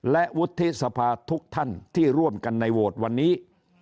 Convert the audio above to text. และวุฒิสภาทุกท่านที่ร่วมกันในโหวตวันนี้